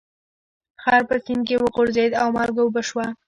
خر په سیند کې وغورځید او مالګه اوبه شوه.